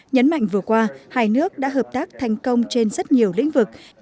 nhấn mạnh vừa qua hai nước đã hợp tác thành công trên rất nhiều lĩnh vực